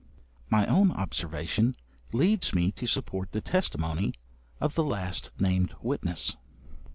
' My own observation leads me to support the testimony of the last named witness.